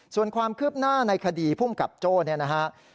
ส่วนความคืบหน้าในคดีภูมิกับโจ้เนี่ยนะฮะ